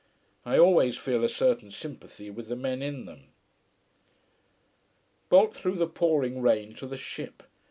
I always feel a certain sympathy with the men in them. Bolt through the pouring rain to the ship.